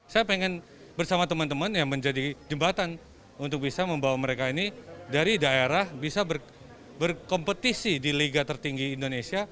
saya ingin bersama teman teman yang menjadi jembatan untuk bisa membawa mereka ini dari daerah bisa berkompetisi di liga tertinggi indonesia